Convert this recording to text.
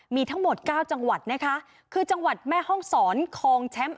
มีทั้งหมดเก้าจังหวัดนะคะคือแม่ห้องสรของแชมป์